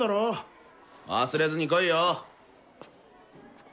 忘れずに来いよ！